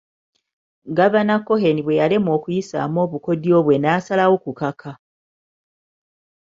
Gavana Cohen bweyalemwa okuyisaamu obukodyo bwe n'asalawo kukaka